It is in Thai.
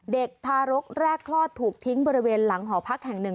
เด็กทารกแรกคลอดถูกทิ้งบริเวณหลังหอพักแห่งหนึ่ง